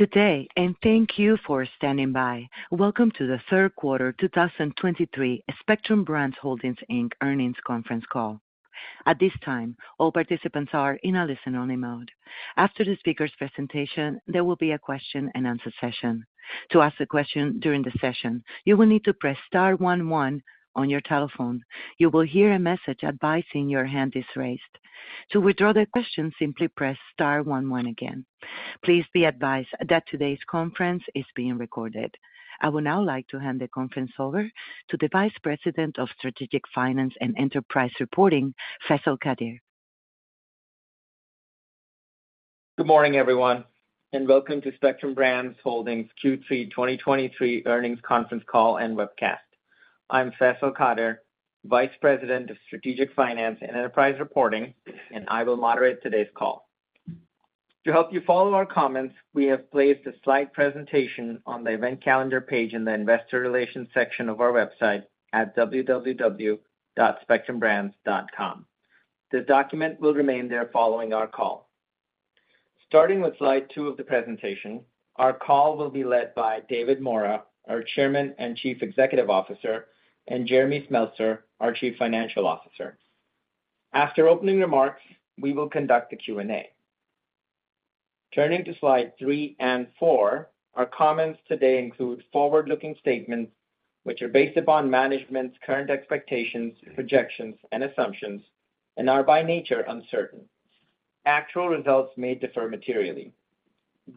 Good day, and thank you for standing by. Welcome to the third quarter 2023 Spectrum Brands Holdings, Inc. earnings conference call. At this time, all participants are in a listen-only mode. After the speaker's presentation, there will be a question-and-answer session. To ask a question during the session, you will need to press star one one on your telephone. You will hear a message advising your hand is raised. To withdraw the question, simply press star one one again. Please be advised that today's conference is being recorded. I would now like to hand the conference over to the Vice President of Strategic Finance and Enterprise Reporting, Faisal Qadir. Good morning, everyone, welcome to Spectrum Brands Holdings' Q3 2023 earnings conference call and webcast. I'm Faisal Qadir, Vice President of Strategic Finance and Enterprise Reporting, and I will moderate today's call. To help you follow our comments, we have placed a slide presentation on the event calendar page in the investor relations section of our website at www.spectrumbrands.com. The document will remain there following our call. Starting with slide two of the presentation, our call will be led by David Maura, our Chairman and Chief Executive Officer, and Jeremy Smeltser, our Chief Financial Officer. After opening remarks, we will conduct the Q&A. Turning to slide three and four, our comments today include forward-looking statements, which are based upon management's current expectations, projections, and assumptions and are, by nature, uncertain. Actual results may differ materially.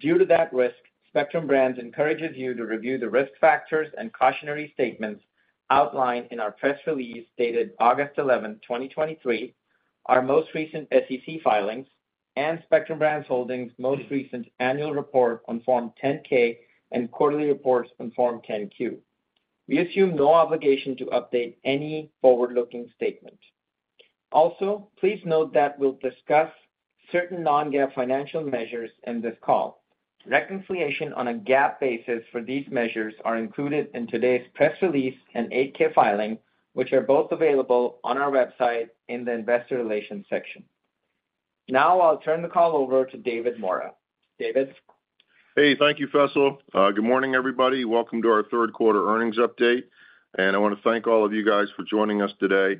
Due to that risk, Spectrum Brands encourages you to review the risk factors and cautionary statements outlined in our press release dated August 11th, 2023, our most recent SEC filings, and Spectrum Brands Holdings' most recent annual report on Form 10-K and quarterly reports on Form 10-Q. We assume no obligation to update any forward-looking statement. Also, please note that we'll discuss certain non-GAAP financial measures in this call. Reconciliation on a GAAP basis for these measures are included in today's press release and 8-K filing, which are both available on our website in the investor relations section. Now I'll turn the call over to David Maura. David? Hey, thank you, Faisal. Good morning, everybody. Welcome to our third quarter earnings update. I wanna thank all of you guys for joining us today.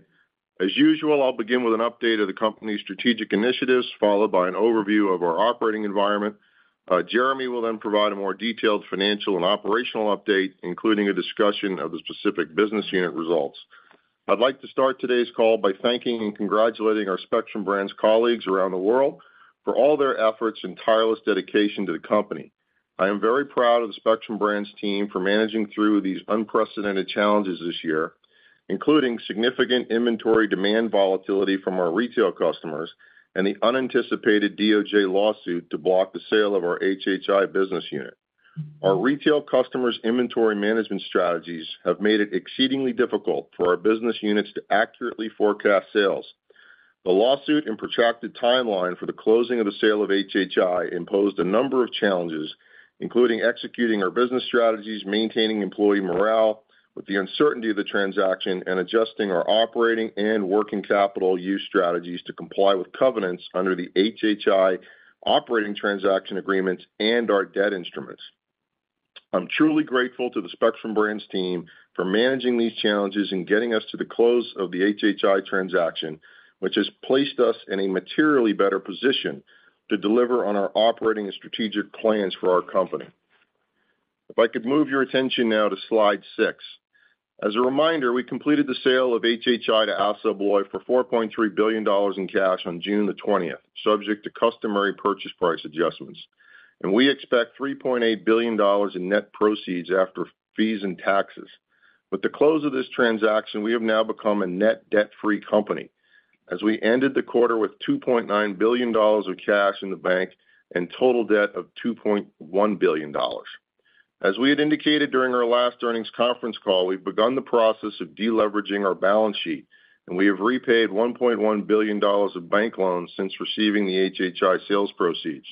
As usual, I'll begin with an update of the company's strategic initiatives, followed by an overview of our operating environment. Jeremy will provide a more detailed financial and operational update, including a discussion of the specific business unit results. I'd like to start today's call by thanking and congratulating our Spectrum Brands colleagues around the world for all their efforts and tireless dedication to the company. I am very proud of the Spectrum Brands team for managing through these unprecedented challenges this year, including significant inventory demand volatility from our retail customers and the unanticipated DOJ lawsuit to block the sale of our HHI business unit. Our retail customers' inventory management strategies have made it exceedingly difficult for our business units to accurately forecast sales. The lawsuit and protracted timeline for the closing of the sale of HHI imposed a number of challenges, including executing our business strategies, maintaining employee morale with the uncertainty of the transaction, and adjusting our operating and working capital use strategies to comply with covenants under the HHI operating transaction agreements and our debt instruments. I'm truly grateful to the Spectrum Brands team for managing these challenges and getting us to the close of the HHI transaction, which has placed us in a materially better position to deliver on our operating and strategic plans for our company. If I could move your attention now to slide six. As a reminder, we completed the sale of HHI to Assa Abloy for $4.3 billion in cash on June 20th, subject to customary purchase price adjustments, and we expect $3.8 billion in net proceeds after fees and taxes. With the close of this transaction, we have now become a net debt-free company, as we ended the quarter with $2.9 billion of cash in the bank and total debt of $2.1 billion. As we had indicated during our last earnings conference call, we've begun the process of deleveraging our balance sheet, and we have repaid $1.1 billion of bank loans since receiving the HHI sales proceeds.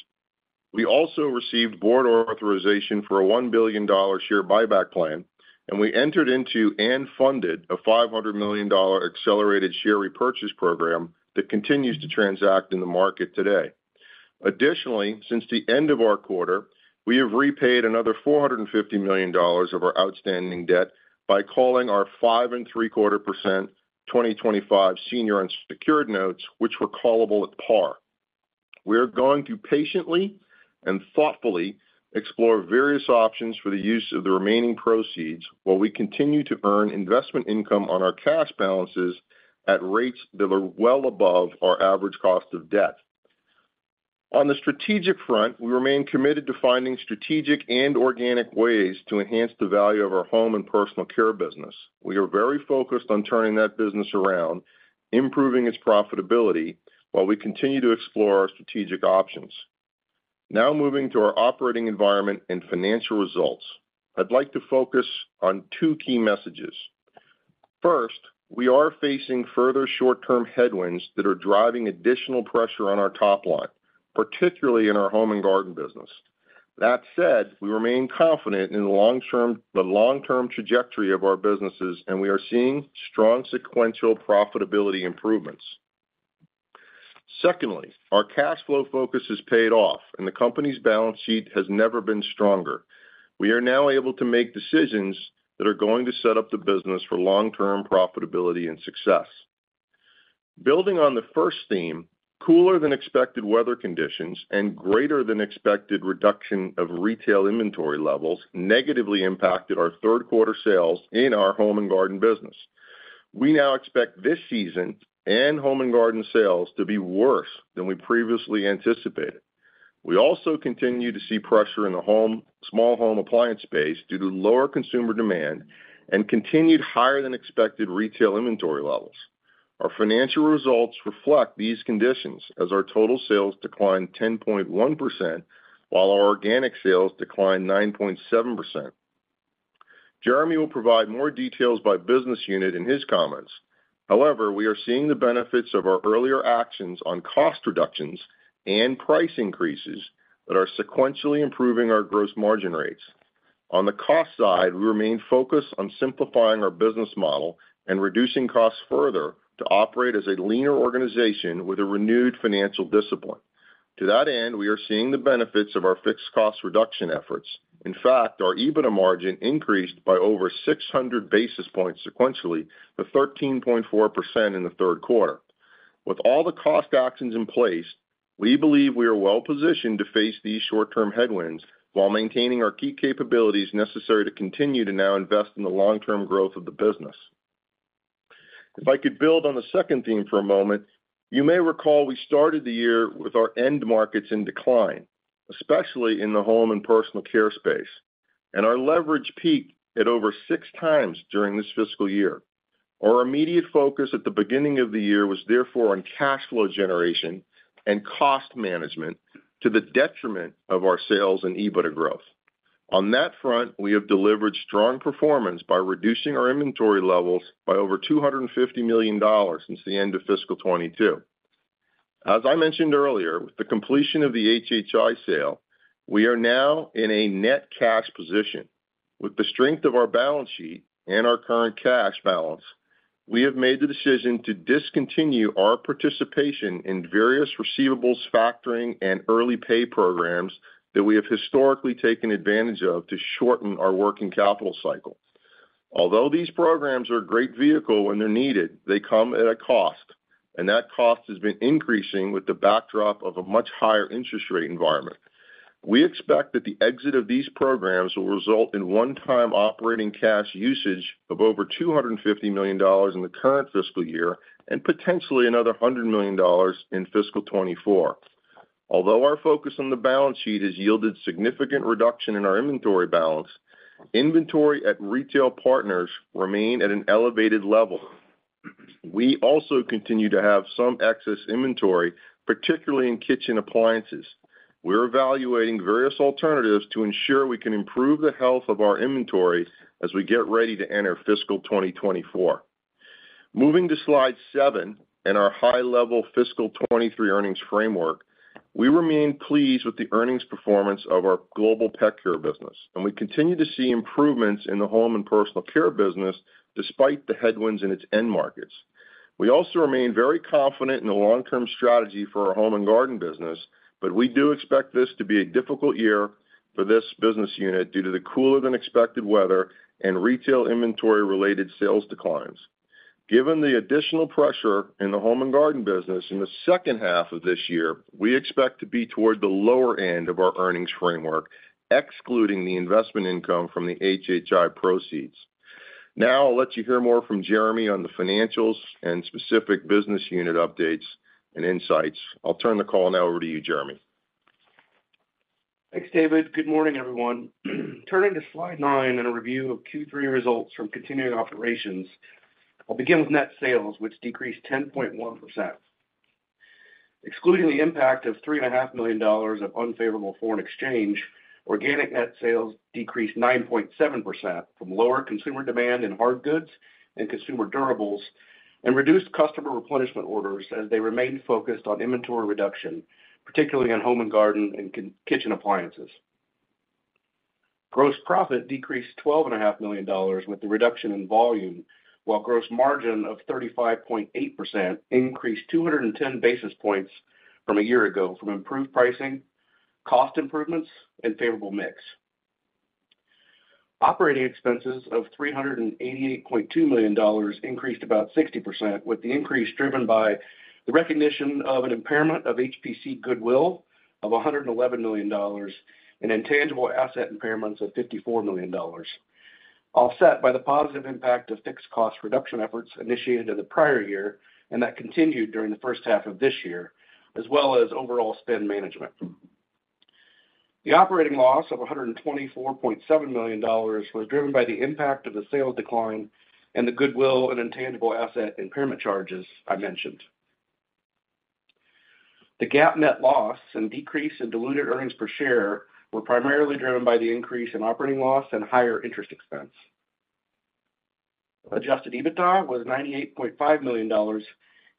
We also received board authorization for a $1 billion share buyback plan, and we entered into and funded a $500 million accelerated share repurchase program that continues to transact in the market today. Additionally, since the end of our quarter, we have repaid another $450 million of our outstanding debt by calling our 5.75% 2025 senior unsecured notes, which were callable at par. We are going to patiently and thoughtfully explore various options for the use of the remaining proceeds, while we continue to earn investment income on our cash balances at rates that are well above our average cost of debt. On the strategic front, we remain committed to finding strategic and organic ways to enhance the value of our Home and Personal Care business. We are very focused on turning that business around, improving its profitability, while we continue to explore our strategic options. Moving to our operating environment and financial results. I'd like to focus on two key messages. First, we are facing further short-term headwinds that are driving additional pressure on our top line, particularly in our Home and Garden business. That said, we remain confident in the long-term, the long-term trajectory of our businesses, and we are seeing strong sequential profitability improvements. Secondly, our cash flow focus has paid off, and the company's balance sheet has never been stronger. We are now able to make decisions that are going to set up the business for long-term profitability and success. Building on the first theme, cooler than expected weather conditions and greater than expected reduction of retail inventory levels negatively impacted our third quarter sales in our Home and Garden business. We now expect this season and Home and Garden sales to be worse than we previously anticipated. We also continue to see pressure in the small home appliance space due to lower consumer demand and continued higher than expected retail inventory levels. Our financial results reflect these conditions as our total sales declined 10.1%, while our organic sales declined 9.7%. Jeremy will provide more details by business unit in his comments. However, we are seeing the benefits of our earlier actions on cost reductions and price increases that are sequentially improving our gross margin rates. On the cost side, we remain focused on simplifying our business model and reducing costs further to operate as a leaner organization with a renewed financial discipline. To that end, we are seeing the benefits of our fixed cost reduction efforts. In fact, our EBITDA margin increased by over 600 basis points sequentially to 13.4% in the third quarter. With all the cost actions in place, we believe we are well positioned to face these short-term headwinds while maintaining our key capabilities necessary to continue to now invest in the long-term growth of the business. If I could build on the second theme for a moment, you may recall we started the year with our end markets in decline, especially in the Home and Personal Care space, and our leverage peaked at over six times during this fiscal year. Our immediate focus at the beginning of the year was therefore on cash flow generation and cost management, to the detriment of our sales and EBITDA growth. On that front, we have delivered strong performance by reducing our inventory levels by over $250 million since the end of fiscal 2022. As I mentioned earlier, with the completion of the HHI sale, we are now in a net cash position. With the strength of our balance sheet and our current cash balance, we have made the decision to discontinue our participation in various receivables, factoring, and early pay programs that we have historically taken advantage of to shorten our working capital cycle. Although these programs are a great vehicle when they're needed, they come at a cost, and that cost has been increasing with the backdrop of a much higher interest rate environment. We expect that the exit of these programs will result in one-time operating cash usage of over $250 million in the current fiscal year and potentially another $100 million in fiscal 2024. Although our focus on the balance sheet has yielded significant reduction in our inventory balance, inventory at retail partners remain at an elevated level. We also continue to have some excess inventory, particularly in kitchen appliances. We're evaluating various alternatives to ensure we can improve the health of our inventory as we get ready to enter fiscal 2024. Moving to slide seven and our high-level fiscal 2023 earnings framework, we remain pleased with the earnings performance of our Global Pet Care business, and we continue to see improvements in the Home and Personal Care business, despite the headwinds in its end markets. We also remain very confident in the long-term strategy for our Home and Garden business. We do expect this to be a difficult year for this business unit due to the cooler than expected weather and retail inventory-related sales declines. Given the additional pressure in the Home and Garden business in the second half of this year, we expect to be toward the lower end of our earnings framework, excluding the investment income from the HHI proceeds. I'll let you hear more from Jeremy on the financials and specific business unit updates and insights. I'll turn the call now over to you, Jeremy. Thanks, David. Good morning, everyone. Turning to slide nine and a review of Q3 results from continuing operations, I'll begin with net sales, which decreased 10.1%. Excluding the impact of $3.5 million of unfavorable foreign exchange, organic net sales decreased 9.7% from lower consumer demand in hard goods and consumer durables, and reduced customer replenishment orders as they remained focused on inventory reduction, particularly on Home and Garden and kitchen appliances. Gross profit decreased $12.5 million, with the reduction in volume, while gross margin of 35.8% increased 210 basis points from a year ago from improved pricing, cost improvements, and favorable mix. Operating expenses of $388.2 million increased about 60%, with the increase driven by the recognition of an impairment of HPC goodwill of $111 million and intangible asset impairments of $54 million, offset by the positive impact of fixed cost reduction efforts initiated in the prior year, and that continued during the first half of this year, as well as overall spend management. The operating loss of $124.7 million was driven by the impact of the sales decline and the goodwill and intangible asset impairment charges I mentioned. The GAAP net loss and decrease in diluted earnings per share were primarily driven by the increase in operating loss and higher interest expense. Adjusted EBITDA was $98.5 million,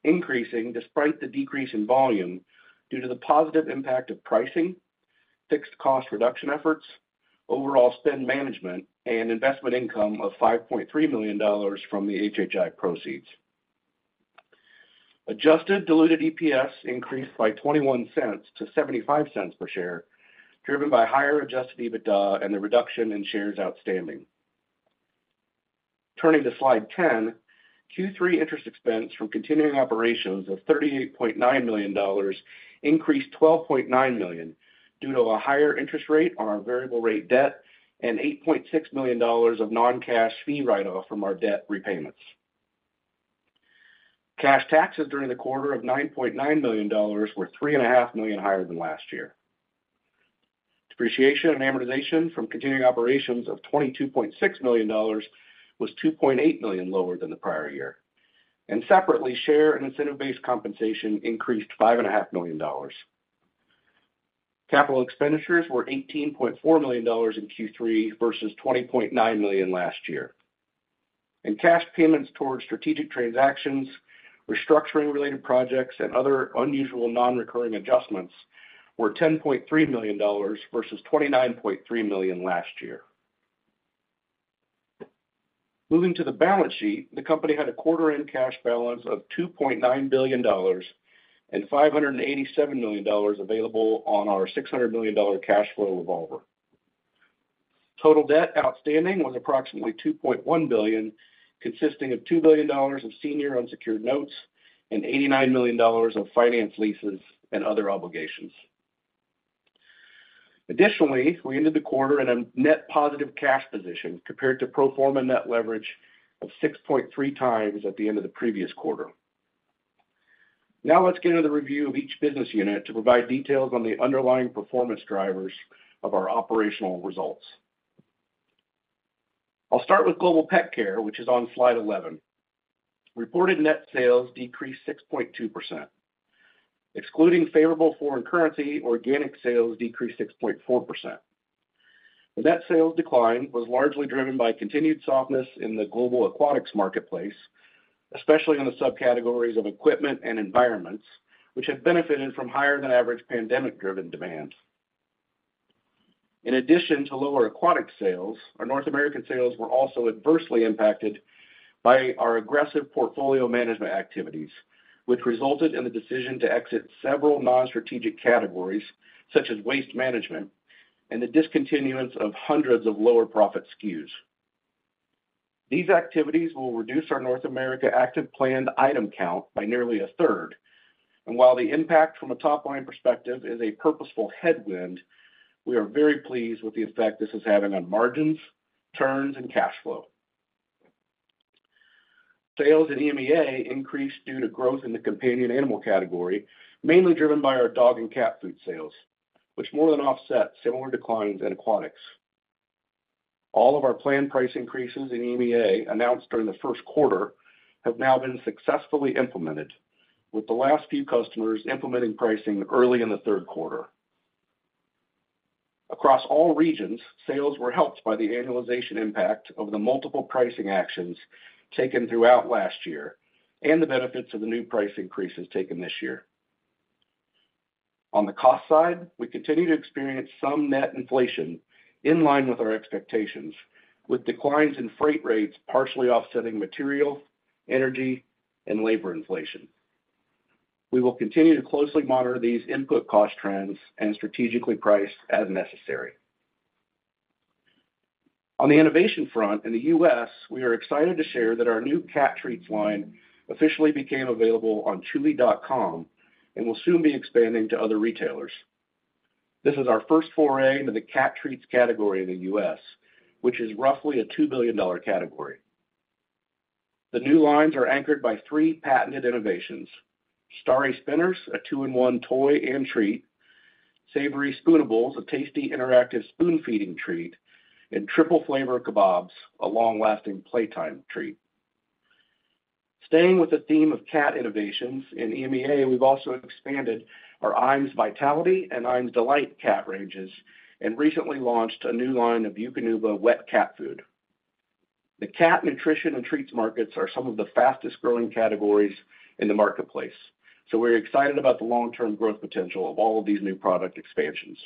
increasing despite the decrease in volume due to the positive impact of pricing. fixed cost reduction efforts, overall spend management, and investment income of $5.3 million from the HHI proceeds. Adjusted diluted EPS increased by $0.21 to $0.75 per share, driven by higher adjusted EBITDA and the reduction in shares outstanding. Turning to slide 10, Q3 interest expense from continuing operations of $38.9 million increased $12.9 million, due to a higher interest rate on our variable rate debt and $8.6 million of non-cash fee write-off from our debt repayments. Cash taxes during the quarter of $9.9 million were $3.5 million higher than last year. Depreciation and amortization from continuing operations of $22.6 million was $2.8 million lower than the prior year. Separately, share and incentive-based compensation increased $5.5 million. Capital expenditures were $18.4 million in Q3 versus $20.9 million last year. Cash payments towards strategic transactions, restructuring related projects, and other unusual non-recurring adjustments were $10.3 million versus $29.3 million last year. Moving to the balance sheet, the company had a quarter-end cash balance of $2.9 billion and $587 million available on our $600 million cash flow revolver. Total debt outstanding was approximately $2.1 billion, consisting of $2 billion of senior unsecured notes and $89 million of finance leases and other obligations. Additionally, we ended the quarter in a net positive cash position compared to pro forma net leverage of 6.3x at the end of the previous quarter. Now let's get into the review of each business unit to provide details on the underlying performance drivers of our operational results. I'll start with Global Pet Care, which is on slide 11. Reported net sales decreased 6.2%. Excluding favorable foreign currency, organic sales decreased 6.4%. The net sales decline was largely driven by continued softness in the global aquatics marketplace, especially in the subcategories of equipment and environments, which have benefited from higher than average pandemic-driven demand. In addition to lower aquatic sales, our North American sales were also adversely impacted by our aggressive portfolio management activities, which resulted in the decision to exit several non-strategic categories, such as waste management, and the discontinuance of hundreds of lower-profit SKUs. These activities will reduce our North America active planned item count by nearly a third, and while the impact from a top-line perspective is a purposeful headwind, we are very pleased with the effect this is having on margins, turns, and cash flow. Sales in EMEA increased due to growth in the companion animal category, mainly driven by our dog and cat food sales, which more than offset similar declines in aquatics. All of our planned price increases in EMEA, announced during the first quarter, have now been successfully implemented, with the last few customers implementing pricing early in the third quarter. Across all regions, sales were helped by the annualization impact of the multiple pricing actions taken throughout last year and the benefits of the new price increases taken this year. On the cost side, we continue to experience some net inflation in line with our expectations, with declines in freight rates partially offsetting material, energy, and labor inflation. We will continue to closely monitor these input cost trends and strategically price as necessary. On the innovation front, in the US, we are excited to share that our new cat treats line officially became available on Chewy.com and will soon be expanding to other retailers. This is our first foray into the cat treats category in the US, which is roughly a $2 billion category. The new lines are anchored by three patented innovations: Starry Spinners, a two-in-one toy and treat, Savory Spoonables, a tasty, interactive spoon-feeding treat, and Triple Flavor Kabobs, a long-lasting playtime treat. Staying with the theme of cat innovations, in EMEA, we've also expanded our Iams Vitality and Iams Delight cat ranges and recently launched a new line of Eukanuba wet cat food. The cat nutrition and treats markets are some of the fastest-growing categories in the marketplace, so we're excited about the long-term growth potential of all of these new product expansions.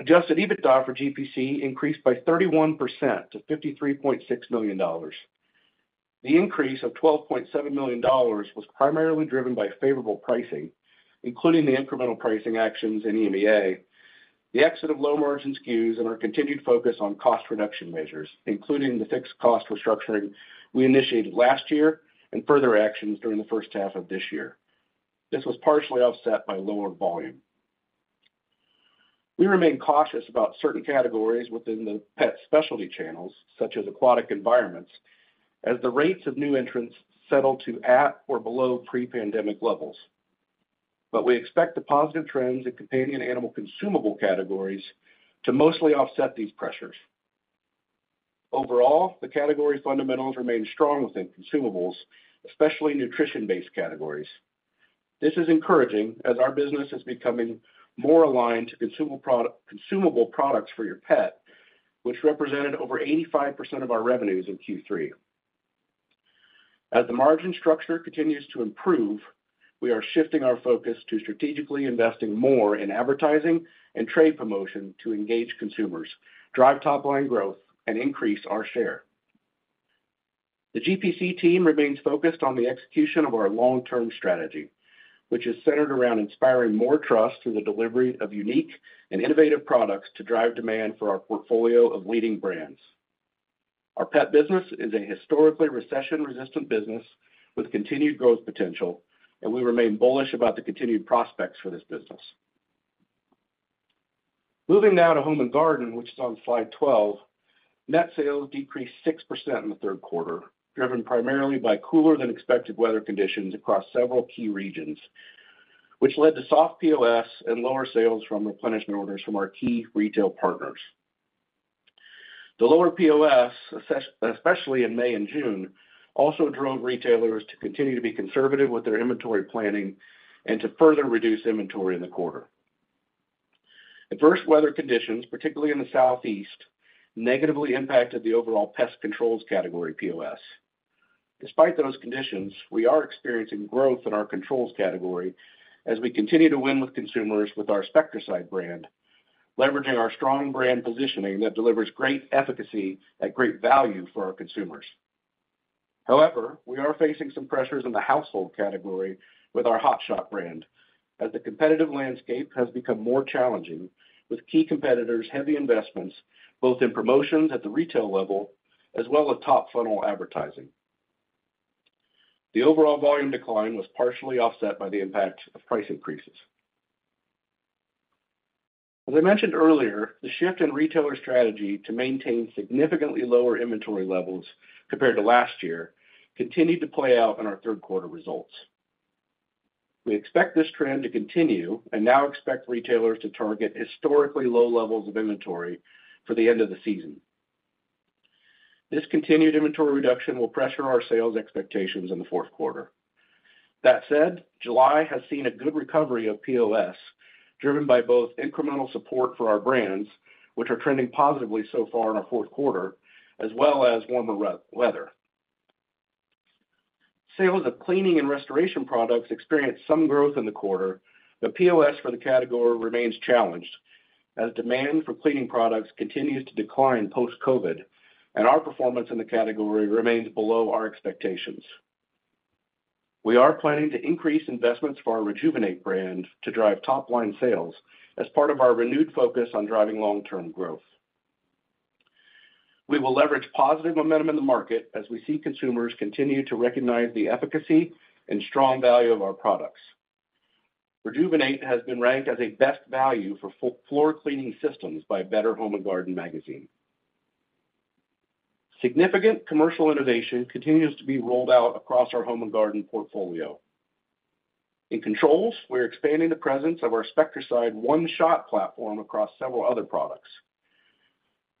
Adjusted EBITDA for GPC increased by 31% to $53.6 million. The increase of $12.7 million was primarily driven by favorable pricing, including the incremental pricing actions in EMEA, the exit of low-margin SKUs, and our continued focus on cost reduction measures, including the fixed cost restructuring we initiated last year and further actions during the first half of this year. This was partially offset by lower volume. We remain cautious about certain categories within the pet specialty channels, such as aquatic environments, as the rates of new entrants settle to at or below pre-pandemic levels. We expect the positive trends in companion animal consumable categories to mostly offset these pressures. Overall, the category fundamentals remain strong within consumables, especially nutrition-based categories. This is encouraging as our business is becoming more aligned to consumable products for your pet, which represented over 85% of our revenues in Q3. As the margin structure continues to improve, we are shifting our focus to strategically investing more in advertising and trade promotion to engage consumers, drive top-line growth, and increase our share. The GPC team remains focused on the execution of our long-term strategy, which is centered around inspiring more trust through the delivery of unique and innovative products to drive demand for our portfolio of leading brands. Our pet business is a historically recession-resistant business with continued growth potential, and we remain bullish about the continued prospects for this business. Moving now to Home and Garden, which is on slide 12, net sales decreased 6% in the third quarter, driven primarily by cooler than expected weather conditions across several key regions, which led to soft POS and lower sales from replenishment orders from our key retail partners. The lower POS, especially in May and June, also drove retailers to continue to be conservative with their inventory planning and to further reduce inventory in the quarter. Adverse weather conditions, particularly in the Southeast, negatively impacted the overall pest controls category POS. Despite those conditions, we are experiencing growth in our controls category as we continue to win with consumers with our Spectracide brand, leveraging our strong brand positioning that delivers great efficacy at great value for our consumers. However, we are facing some pressures in the household category with our Hot Shot brand, as the competitive landscape has become more challenging, with key competitors' heavy investments, both in promotions at the retail level as well as top funnel advertising. The overall volume decline was partially offset by the impact of price increases. As I mentioned earlier, the shift in retailer strategy to maintain significantly lower inventory levels compared to last year continued to play out in our third quarter results. We expect this trend to continue and now expect retailers to target historically low levels of inventory for the end of the season. This continued inventory reduction will pressure our sales expectations in the fourth quarter. That said, July has seen a good recovery of POS, driven by both incremental support for our brands, which are trending positively so far in our fourth quarter, as well as warmer weather. Sales of cleaning and restoration products experienced some growth in the quarter. POS for the category remains challenged, as demand for cleaning products continues to decline post-COVID, and our performance in the category remains below our expectations. We are planning to increase investments for our Rejuvenate brand to drive top-line sales as part of our renewed focus on driving long-term growth. We will leverage positive momentum in the market as we see consumers continue to recognize the efficacy and strong value of our products. Rejuvenate has been ranked as a best value for floor cleaning systems by Better Homes and Gardens magazine. Significant commercial innovation continues to be rolled out across our Home and Garden portfolio. In controls, we're expanding the presence of our Spectracide One Shot platform across several other products.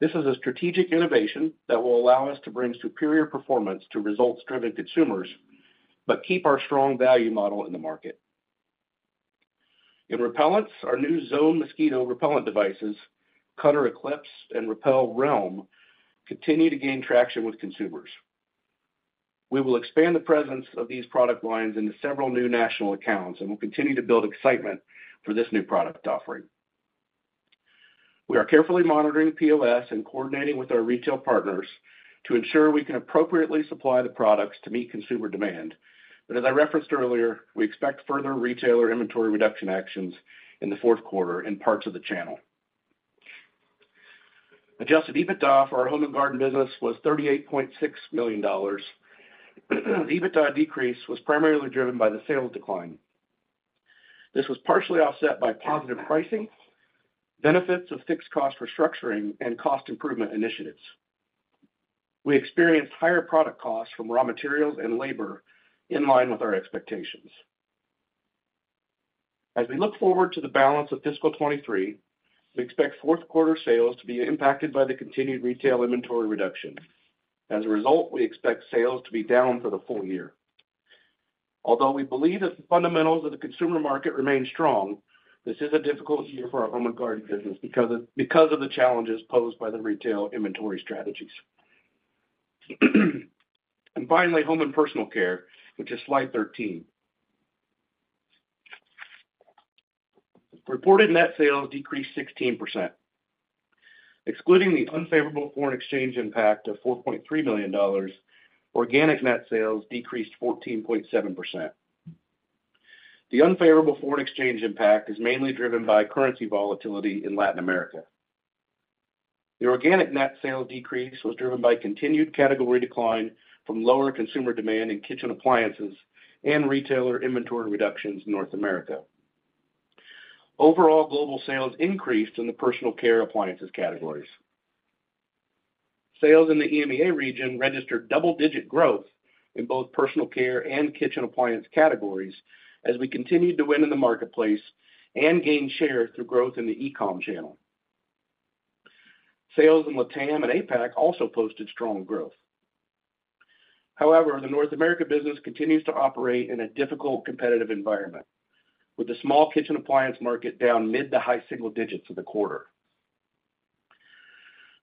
This is a strategic innovation that will allow us to bring superior performance to results-driven consumers, but keep our strong value model in the market. In repellents, our new Zone Mosquito repellent devices, Cutter Eclipse, and Repel Realm, continue to gain traction with consumers. We will expand the presence of these product lines into several new national accounts, and we'll continue to build excitement for this new product offering. We are carefully monitoring POS and coordinating with our retail partners to ensure we can appropriately supply the products to meet consumer demand. As I referenced earlier, we expect further retailer inventory reduction actions in the fourth quarter in parts of the channel. Adjusted EBITDA for our Home and Garden business was $38.6 million. The EBITDA decrease was primarily driven by the sales decline. This was partially offset by positive pricing, benefits of fixed cost restructuring, and cost improvement initiatives. We experienced higher product costs from raw materials and labor in line with our expectations. As we look forward to the balance of fiscal 2023, we expect fourth quarter sales to be impacted by the continued retail inventory reduction. As a result, we expect sales to be down for the full year. Although we believe that the fundamentals of the consumer market remain strong, this is a difficult year for our Home and Garden business because of the challenges posed by the retail inventory strategies. Finally, Home and Personal Care, which is slide 13. Reported net sales decreased 16%. Excluding the unfavorable foreign exchange impact of $4.3 million, organic net sales decreased 14.7%. The unfavorable foreign exchange impact is mainly driven by currency volatility in Latin America. The organic net sale decrease was driven by continued category decline from lower consumer demand in kitchen appliances and retailer inventory reductions in North America. Overall, global sales increased in the personal care appliances categories. Sales in the EMEA region registered double-digit growth in both personal care and kitchen appliance categories as we continued to win in the marketplace and gain share through growth in the e-com channel. Sales in LATAM and APAC also posted strong growth. The North America business continues to operate in a difficult competitive environment, with the small kitchen appliance market down mid to high single digits for the quarter.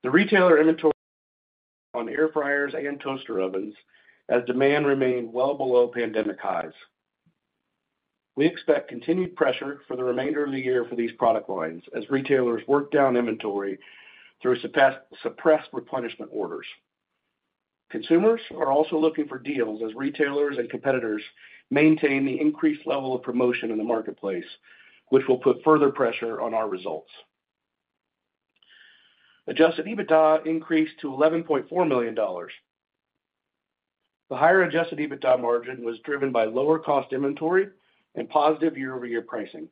The retailer inventory on air fryers and toaster ovens as demand remained well below pandemic highs. We expect continued pressure for the remainder of the year for these product lines as retailers work down inventory through suppressed replenishment orders. Consumers are also looking for deals as retailers and competitors maintain the increased level of promotion in the marketplace, which will put further pressure on our results. Adjusted EBITDA increased to $11.4 million. The higher adjusted EBITDA margin was driven by lower cost inventory and positive year-over-year pricing.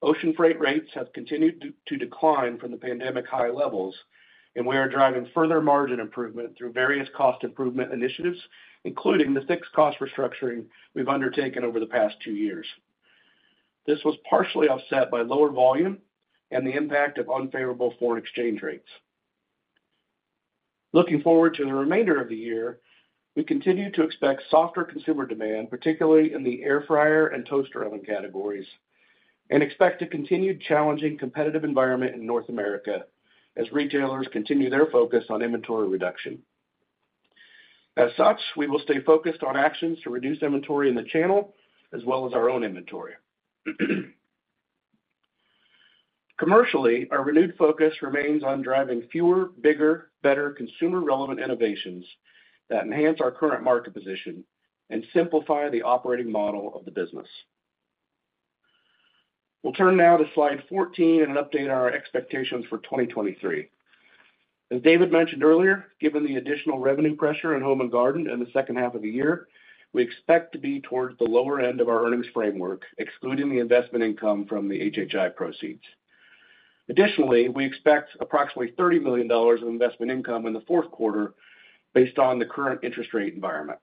Ocean freight rates have continued to decline from the pandemic high levels, and we are driving further margin improvement through various cost improvement initiatives, including the fixed cost restructuring we've undertaken over the past two years. This was partially offset by lower volume and the impact of unfavorable foreign exchange rates. Looking forward to the remainder of the year, we continue to expect softer consumer demand, particularly in the air fryer and toaster oven categories, and expect a continued challenging competitive environment in North America as retailers continue their focus on inventory reduction. As such, we will stay focused on actions to reduce inventory in the channel as well as our own inventory. Commercially, our renewed focus remains on driving fewer, bigger, better consumer-relevant innovations that enhance our current market position and simplify the operating model of the business. We'll turn now to slide 14 and update our expectations for 2023. As David mentioned earlier, given the additional revenue pressure in home and garden in the second half of the year, we expect to be towards the lower end of our earnings framework, excluding the investment income from the HHI proceeds. Additionally, we expect approximately $30 million of investment income in the fourth quarter based on the current interest rate environment.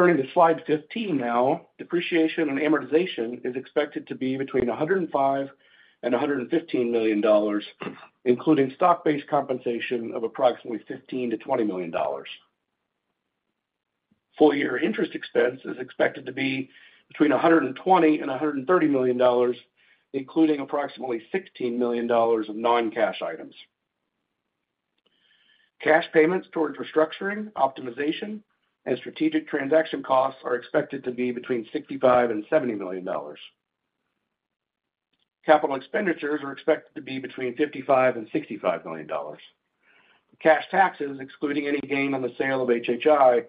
Turning to slide 15 now, depreciation and amortization is expected to be between $105 million and $115 million, including stock-based compensation of approximately $15 million-$20 million. Full year interest expense is expected to be between $120 million and $130 million, including approximately $16 million of non-cash items. Cash payments towards restructuring, optimization, and strategic transaction costs are expected to be between $65 million and $70 million. Capital expenditures are expected to be between $55 million and $65 million. Cash taxes, excluding any gain on the sale of HHI,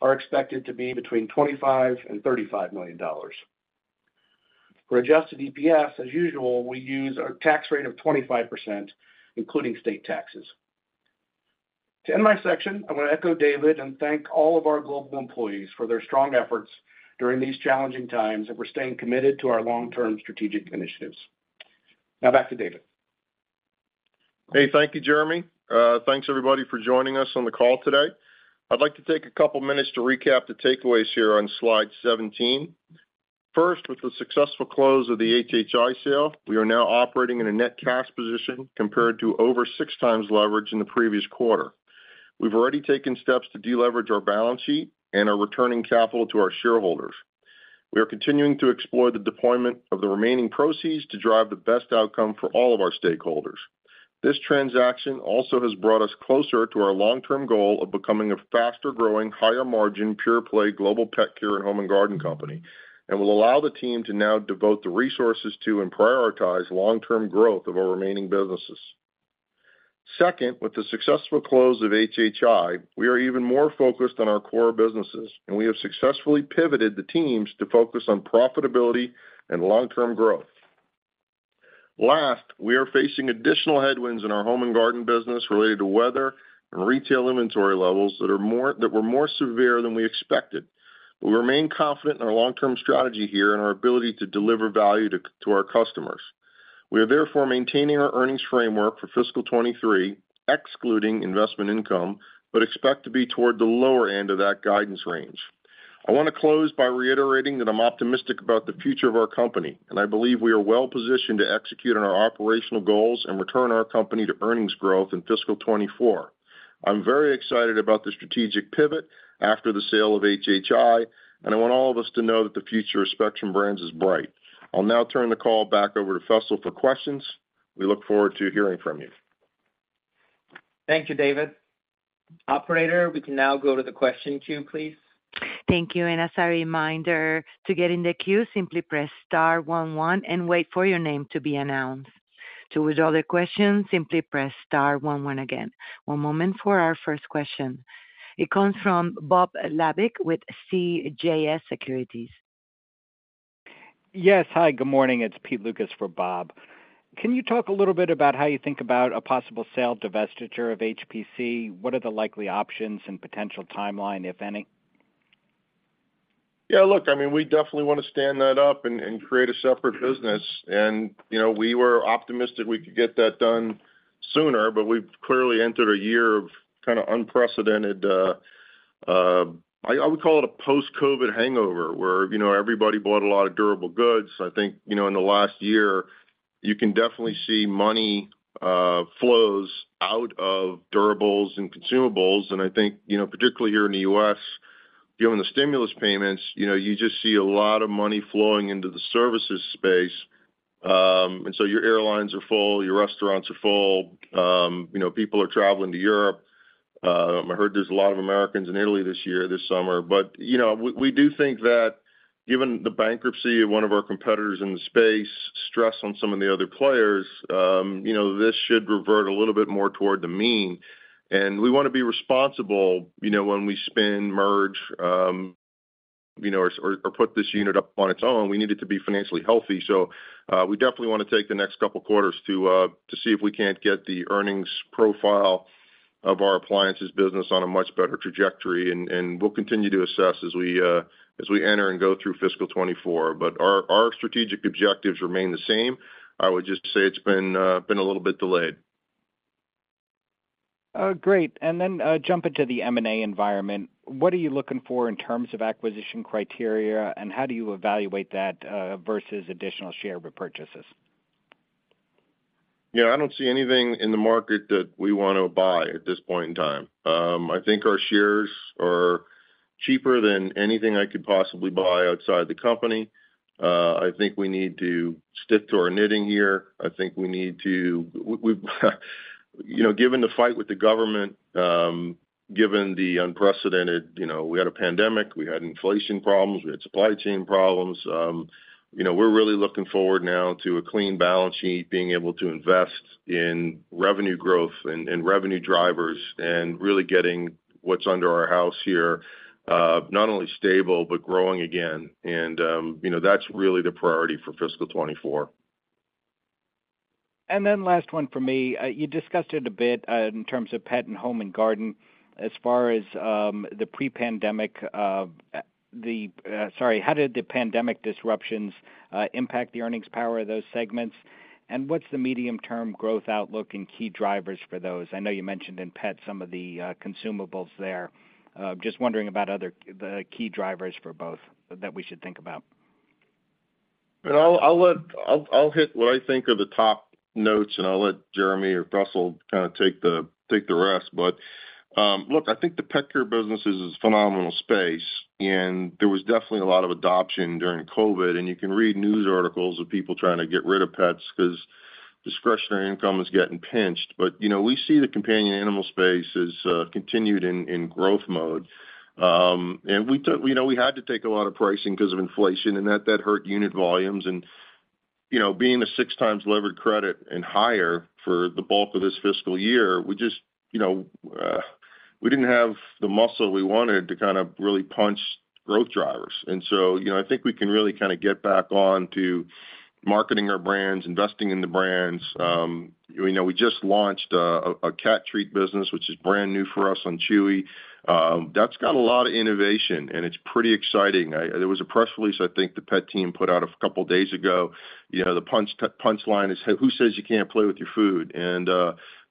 are expected to be between $25 million and $35 million. For adjusted EPS, as usual, we use a tax rate of 25%, including state taxes. To end my section, I want to echo David and thank all of our global employees for their strong efforts during these challenging times, and we're staying committed to our long-term strategic initiatives. Now, back to David. Hey, thank you, Jeremy. Thanks, everybody, for joining us on the call today. I'd like to take a couple of minutes to recap the takeaways here on slide 17. First, with the successful close of the HHI sale, we are now operating in a net cash position compared to over 6 times leverage in the previous quarter. We've already taken steps to deleverage our balance sheet and are returning capital to our shareholders. We are continuing to explore the deployment of the remaining proceeds to drive the best outcome for all of our stakeholders. This transaction also has brought us closer to our long-term goal of becoming a faster-growing, higher-margin, pure-play Global Pet Care and Home and Garden company, and will allow the team to now devote the resources to and prioritize long-term growth of our remaining businesses. Second, with the successful close of HHI, we are even more focused on our core businesses, and we have successfully pivoted the teams to focus on profitability and long-term growth. Last, we are facing additional headwinds in our Home and Garden business related to weather and retail inventory levels that were more severe than we expected. We remain confident in our long-term strategy here and our ability to deliver value to our customers. We are therefore maintaining our earnings framework for fiscal 2023, excluding investment income, but expect to be toward the lower end of that guidance range. I want to close by reiterating that I'm optimistic about the future of our company, and I believe we are well positioned to execute on our operational goals and return our company to earnings growth in fiscal 2024. I'm very excited about the strategic pivot after the sale of HHI, and I want all of us to know that the future of Spectrum Brands is bright. I'll now turn the call back over to Faisal for questions. We look forward to hearing from you. Thank you, David. Operator, we can now go to the question queue, please. Thank you. As a reminder, to get in the queue, simply press star one one and wait for your name to be announced. To withdraw the question, simply press star one one again. One moment for our first question. It comes from Bob Labic with CJS Securities. Yes. Hi, good morning. It's Pete Lucas for Bob. Can you talk a little bit about how you think about a possible sale divestiture of HPC? What are the likely options and potential timeline, if any? Yeah, look, I mean, we definitely want to stand that up and, and create a separate business. You know, we were optimistic we could get that done sooner, but we've clearly entered a year of kind of unprecedented, I, I would call it a post-COVID hangover, where, you know, everybody bought a lot of durable goods. I think, you know, in the last year, you can definitely see money flows out of durables and consumables. I think, you know, particularly here in the U.S., given the stimulus payments, you know, you just see a lot of money flowing into the services space. So your airlines are full, your restaurants are full, you know, people are traveling to Europe. I heard there's a lot of Americans in Italy this year, this summer. You know, we, we do think that given the bankruptcy of one of our competitors in the space, stress on some of the other players, you know, this should revert a little bit more toward the mean. We wanna be responsible, you know, when we spin, merge, you know, or, or, or put this unit up on its own, we need it to be financially healthy. We definitely wanna take the next couple of quarters to see if we can't get the earnings profile of our appliances business on a much better trajectory, and, and we'll continue to assess as we enter and go through fiscal 2024. Our, our strategic objectives remain the same. I would just say it's been a little bit delayed. Great. Then, jumping to the M&A environment, what are you looking for in terms of acquisition criteria, and how do you evaluate that versus additional share repurchases? Yeah, I don't see anything in the market that we wanna buy at this point in time. I think our shares are cheaper than anything I could possibly buy outside the company. I think we need to stick to our knitting here. I think we need to, you know, given the fight with the government, given the unprecedented, you know, we had a pandemic, we had inflation problems, we had supply chain problems, you know, we're really looking forward now to a clean balance sheet, being able to invest in revenue growth and, and revenue drivers, and really getting what's under our house here, not only stable, but growing again. You know, that's really the priority for fiscal 2024. Last one for me. You discussed it a bit in terms of Pet and Home and Garden. As far as the pre-pandemic, how did the pandemic disruptions impact the earnings power of those segments? What's the medium-term growth outlook and key drivers for those? I know you mentioned in Pet some of the consumables there. Just wondering about the key drivers for both that we should think about. I'll hit what I think are the top notes, and I'll let Jeremy or Russell kind of take the, take the rest. Look, I think the Pet care business is a phenomenal space, and there was definitely a lot of adoption during COVID, and you can read news articles of people trying to get rid of pets because discretionary income is getting pinched. You know, we see the companion animal space as continued in growth mode. We took, you know, we had to take a lot of pricing because of inflation, and that, that hurt unit volumes. You know, being a 6 times levered credit and higher for the bulk of this fiscal year, we just, you know, we didn't have the muscle we wanted to kind of really punch growth drivers. You know, I think we can really kind of get back on to marketing our brands, investing in the brands. You know, we just launched a, a cat treat business, which is brand new for us on Chewy. That's got a lot of innovation, and it's pretty exciting. There was a press release I think the pet team put out a couple days ago. You know, the punch, punch line is: "Who says you can't play with your food?"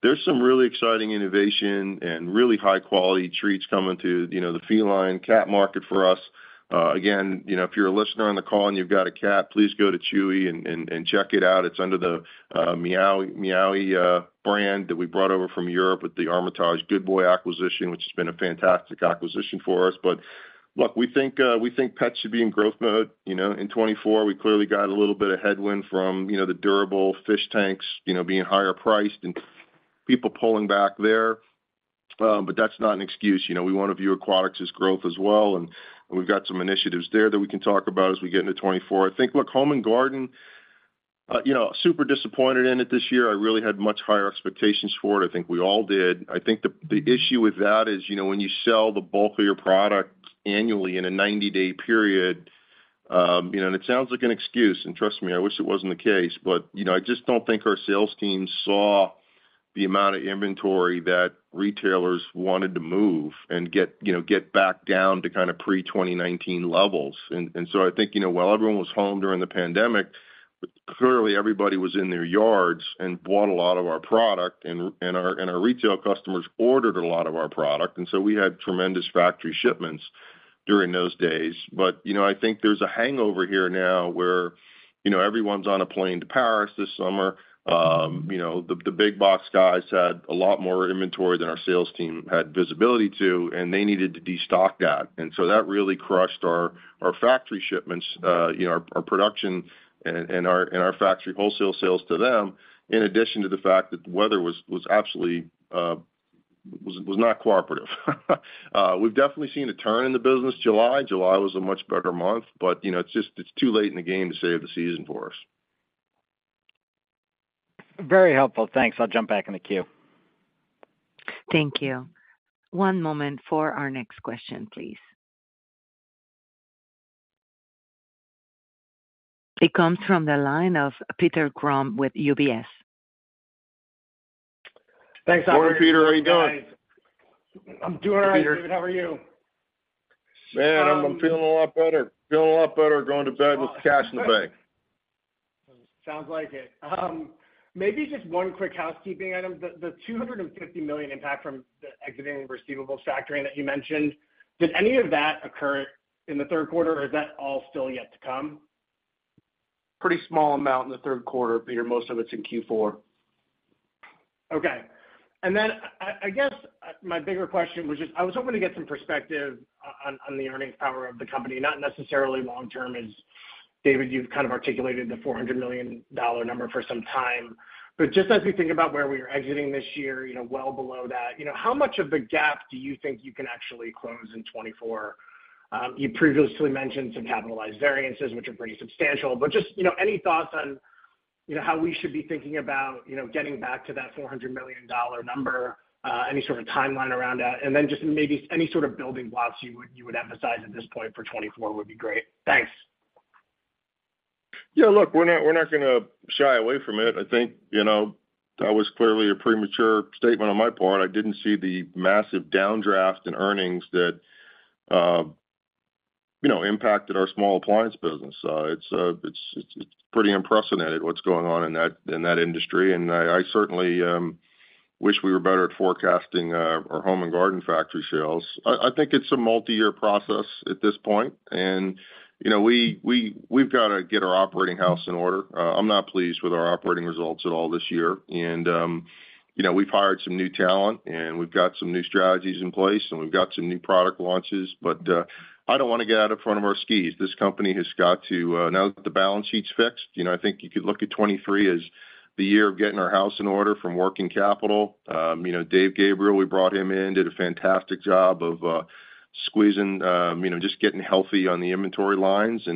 There's some really exciting innovation and really high-quality treats coming to, you know, the feline cat market for us. Again, you know, if you're a listener on the call and you've got a cat, please go to Chewy and, and, and check it out. It's under the Meowee brand that we brought over from Europe with the Armitage Good Boy acquisition, which has been a fantastic acquisition for us. Look, we think, we think pets should be in growth mode, you know, in 2024. We clearly got a little bit of headwind from, you know, the durable fish tanks, you know, being higher priced and people pulling back there. That's not an excuse, you know, we want to view aquatics as growth as well, and we've got some initiatives there that we can talk about as we get into 2024. I think, look, Home and Garden, you know, super disappointed in it this year. I really had much higher expectations for it. I think we all did. I think the, the issue with that is, you know, when you sell the bulk of your product annually in a 90-day period, you know, and it sounds like an excuse, and trust me, I wish it wasn't the case, but, you know, I just don't think our sales team saw the amount of inventory that retailers wanted to move and get, you know, get back down to kind of pre-2019 levels. I think, you know, while everyone was home during the pandemic, clearly everybody was in their yards and bought a lot of our product, and, and our, and our retail customers ordered a lot of our product, and so we had tremendous factory shipments during those days. I think, you know, there's a hangover here now where, you know, everyone's on a plane to Paris this summer. You know, the, the big box guys had a lot more inventory than our sales team had visibility to, and they needed to destock that. That really crushed our, our factory shipments, you know, our, our production and, and our, and our factory wholesale sales to them, in addition to the fact that the weather was, was absolutely, was, was not cooperative. We've definitely seen a turn in the business July. July was a much better month, but, you know, it's just, it's too late in the game to save the season for us. Very helpful. Thanks. I'll jump back in the queue. Thank you. One moment for our next question, please. It comes from the line of Peter Grom with UBS. Thanks, David. Morning, Peter. How are you doing? I'm doing all right, David. How are you? Man, I'm feeling a lot better. Feeling a lot better going to bed with cash in the bank. Sounds like it. Maybe just one quick housekeeping item. The $250 million impact from the exiting receivables factoring that you mentioned, did any of that occur in the third quarter, or is that all still yet to come? Pretty small amount in the third quarter, Peter. Most of it's in Q4. Okay. Then I, I guess, my bigger question was just I was hoping to get some perspective on, on the earnings power of the company, not necessarily long term, as David, you've kind of articulated the $400 million number for some time. Just as we think about where we are exiting this year, you know, well below that, you know, how much of the gap do you think you can actually close in 2024? You previously mentioned some capitalized variances, which are pretty substantial, but just, you know, any thoughts on, you know, how we should be thinking about, you know, getting back to that $400 million number, any sort of timeline around that? Then just maybe any sort of building blocks you would, you would emphasize at this point for 2024 would be great. Thanks. Yeah, look, we're not, we're not gonna shy away from it. I think, you know, that was clearly a premature statement on my part. I didn't see the massive downdraft in earnings that, you know, impacted our small appliance business. It's, it's, it's pretty impressive what's going on in that, in that industry. I, I certainly wish we were better at forecasting our Home and Garden factory sales. I, I think it's a multi-year process at this point. You know, we, we, we've got to get our operating house in order. I'm not pleased with our operating results at all this year. You know, we've hired some new talent. We've got some new strategies in place. We've got some new product launches. I don't want to get out in front of our skis. This company has got to, now that the balance sheet's fixed, you know, I think you could look at 2023 as the year of getting our house in order from working capital. Dave Gabriel, we brought him in, did a fantastic job of squeezing, just getting healthy on the inventory lines.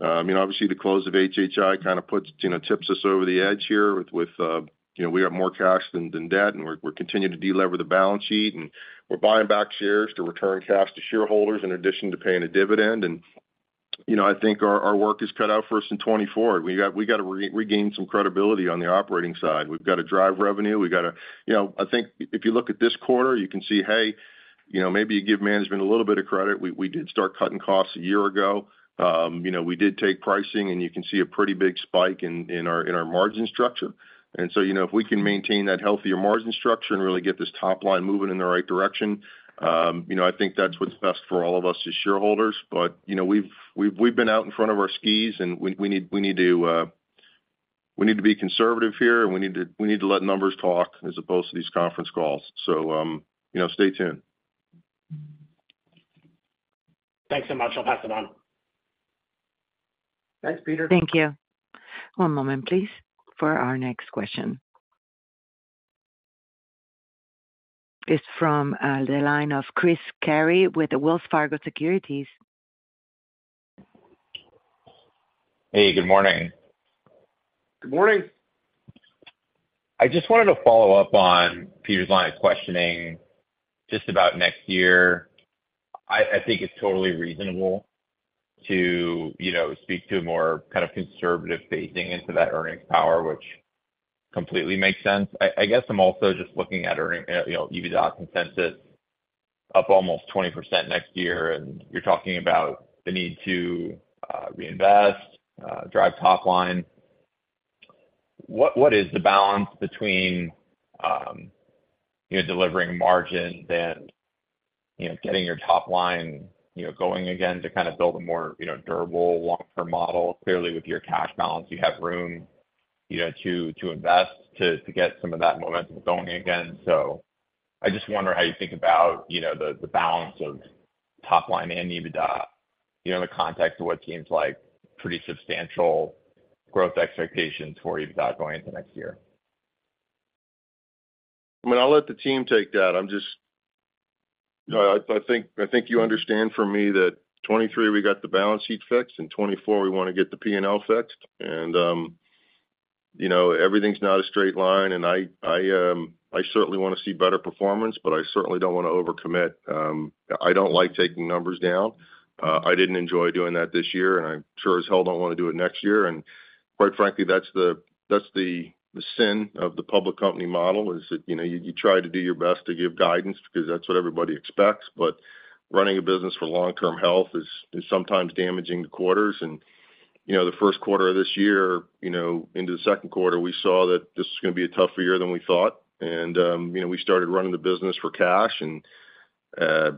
Obviously, the close of HHI kind of puts, tips us over the edge here with, with, we have more cash than, than debt, and we're, we're continuing to delever the balance sheet, and we're buying back shares to return cash to shareholders, in addition to paying a dividend. I think our, our work is cut out for us in 2024. We got to re-regain some credibility on the operating side. We've got to drive revenue. We've got to... You know, I think if you look at this quarter, you can see, hey, you know, maybe you give management a little bit of credit. We, we did start cutting costs a year ago. You know, we did take pricing, and you can see a pretty big spike in, in our, in our margin structure. You know, if we can maintain that healthier margin structure and really get this top line moving in the right direction, you know, I think that's what's best for all of us as shareholders. You know, we've, we've, we've been out in front of our skis, and we, we need, we need to, we need to be conservative here, and we need to, we need to let numbers talk as opposed to these conference calls. You know, stay tuned. Thanks so much. I'll pass it on. Thanks, Peter. Thank you. One moment, please, for our next question. It's from the line of Chris Carey with Wells Fargo Securities. Hey, good morning. Good morning. I just wanted to follow up on Peter's line of questioning just about next year. I think it's totally reasonable to, you know, speak to a more kind of conservative phasing into that earnings power, which completely makes sense. I guess I'm also just looking at earning, you know, EBITDA consensus up almost 20% next year, and you're talking about the need to reinvest, drive top line. What is the balance between, you know, delivering margins and, you know, getting your top line, you know, going again to kind of build a more, you know, durable long-term model? Clearly, with your cash balance, you have room, you know, to invest, to get some of that momentum going again. I just wonder how you think about, you know, the, the balance of top line and EBITDA, you know, in the context of what seems like pretty substantial growth expectations for EBITDA going into next year. I mean, I'll let the team take that. I think, I think you understand from me that 2023, we got the balance sheet fixed, in 2024, we want to get the P&L fixed. You know, everything's not a straight line, and I certainly want to see better performance, but I certainly don't want to overcommit. I don't like taking numbers down. I didn't enjoy doing that this year, and I sure as hell don't want to do it next year. Quite frankly, that's the sin of the public company model, is that, you know, you try to do your best to give guidance because that's what everybody expects. Running a business for long-term health is, is sometimes damaging the quarters. You know, the first quarter of this year, you know, into the second quarter, we saw that this was going to be a tougher year than we thought. You know, we started running the business for cash and